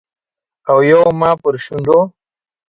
او یو زما پر شونډو